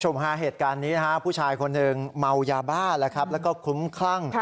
ชมฮาเหตุการณ์นี้นะฮะผู้ชายคนหนึ่งเมายาบ้าแล้วก็คุ้มคลั่ง